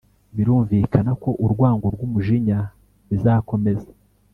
birumvikana ko urwango n'umujinya bizakomeza